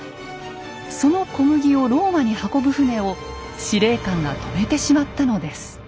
その小麦をローマに運ぶ船を司令官が止めてしまったのです。